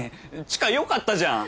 知花よかったじゃん。